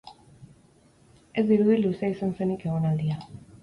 Ez dirudi luzea izan zenik egonaldia.